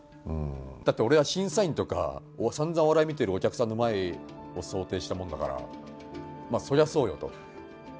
だって俺は審査員とかさんざんお笑い見てるお客さんの前を想定したものだからまあそりゃそうよと。